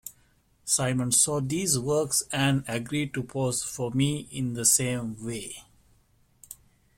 Simon saw these works and agreed to pose for me in the same way.